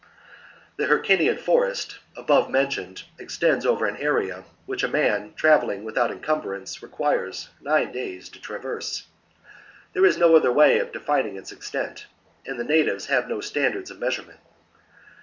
25. The Hercynian forest, above mentioned, The Her •^' cynian forest extends over an area which a man travellinsf and its *=• fauna. without encumbrance requires nine days to traverse. There is no other way of defining its extent, and the natives have no standards of measurement.